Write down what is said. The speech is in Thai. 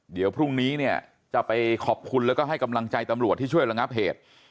เดี๋ยวพรุ่งนี้เนี่ยจะไปขอบคุณแล้วก็ให้กำลังใจตำรวจที่ช่วยระงับเหตุ